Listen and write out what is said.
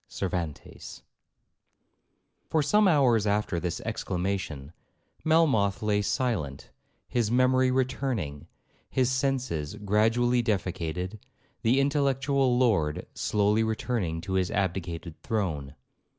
CERVANTES For some hours after this exclamation, Melmoth lay silent, his memory returning,—his senses gradually defecated,—the intellectual lord slowly returning to his abdicated throne.